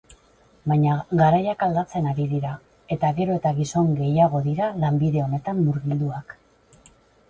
Baina garaiak aldatzen ari dira eta gero eta gizon gehiagodira lanbide honetan murgilduak.